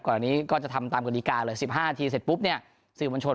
ก่อนอันนี้ก็จะทำตามกฎิกาเลย๑๕นาทีเสร็จปุ๊บเนี่ยสื่อมวลชน